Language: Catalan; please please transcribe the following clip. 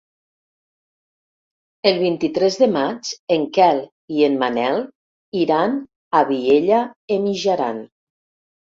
El vint-i-tres de maig en Quel i en Manel iran a Vielha e Mijaran.